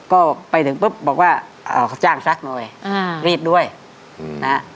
ก็ไปถึงปุ๊บบอกว่าอ่าเขาจ้างซักหน่อยอ่ารีบด้วยนะฮะ